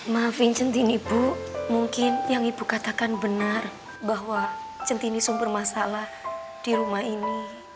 maafin centini ibu mungkin yang ibu katakan benar bahwa centini sumber masalah di rumah ini